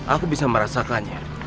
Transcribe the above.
aku bisa merasakannya